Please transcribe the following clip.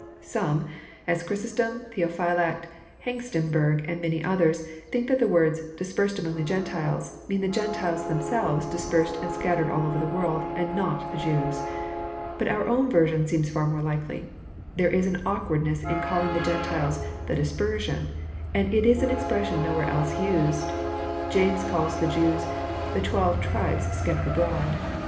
Some, as Chrysostom, Theophylact, Hengstenberg, and many others, think that the words • dispersed among the Gentiles mean the Gentiles themselves dispersed and scattered all over the world, and not the Jews. But our own version seems far more likely. There is an awkwardness in calling the Gentiles '* the dispersion," and it is an expression nowhere else used. James calls the Jews "the twelve tribes scattered abroad."